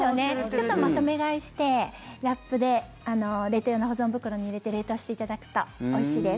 ちょっとまとめ買いしてラップで冷凍用の保存袋に入れて冷凍していただくとおいしいです。